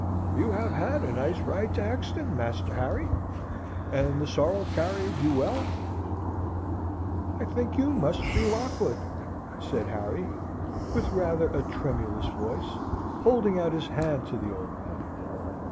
"You have had a nice ride to Hexton, Master Harry, and the sorrel carried you well." "I think you must be Lockwood," said Harry, with rather a tremulous voice, holding out his hand to the old man.